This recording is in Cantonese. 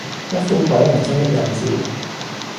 一副鬼靈精的樣子